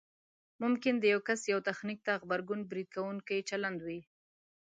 ممکن د یو کس یوه تخنیک ته غبرګون برید کوونکی چلند وي